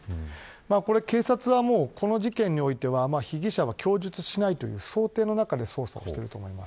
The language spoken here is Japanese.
警察は、この事件においては被疑者は供述しないという想定の中で捜査をしていると思います。